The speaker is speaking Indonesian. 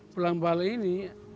pulang balai ini